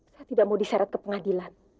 saya tidak mau diseret ke pengadilan